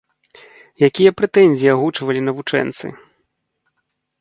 Якія прэтэнзіі агучвалі навучэнцы?